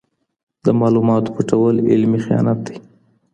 د معلوماتو پټول علمي خیانت دی.